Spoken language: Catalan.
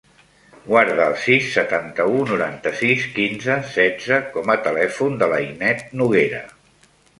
Guarda el sis, setanta-u, noranta-sis, quinze, setze com a telèfon de l'Ainet Noguera.